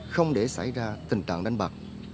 không để xảy ra tình trạng đánh bạc